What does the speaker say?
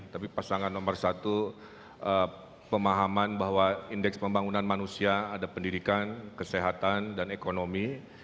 tapi pasangan nomor satu pemahaman bahwa indeks pembangunan manusia ada pendidikan kesehatan dan ekonomi